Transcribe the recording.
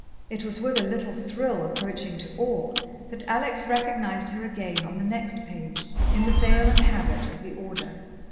It was with a little thrill approaching to awe that Alex recognized her again on the next page in the veil and habit of the Order.